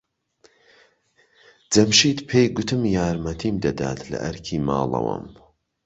جەمشید پێی گوتم یارمەتیم دەدات لە ئەرکی ماڵەوەم.